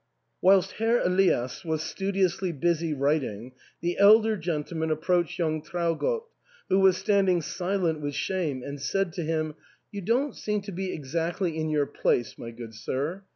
" Whilst Herr Elias was studiously busy writing, the elder gentleman approached young Traugott, who was standing silent with shame, and said to him, "You don't seem to be exactly in your place, my good sir.'